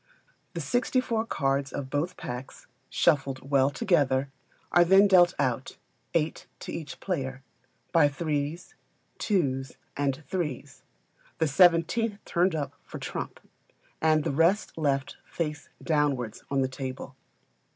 The sixty four cards of both packs, shuffled well together, are then dealt out, eight to each player, by threes, twos, and threes; the seventeenth turned up for trump, and the rest left, face downwards, on the table.